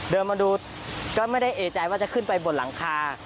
เดินมาดูก็ไม่ได้เอกใจว่าจะขึ้นไปบนหลังคา